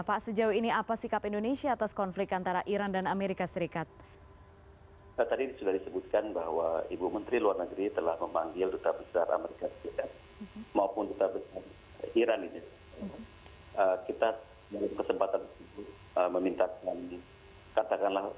pak sejauh ini apa sikap indonesia atas konflik antara iran dan amerika serikat